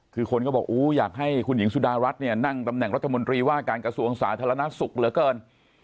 คือคนก็บอกอยากให้คุณหญิงสุดารัสนั่งตำแหน่งรัฐมนตรีว่าการกระสูงอังสารธรรมนาศุกร์เหลือเกิน